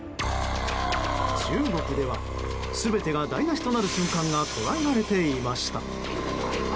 中国では、全てが台無しとなる瞬間が捉えられていました。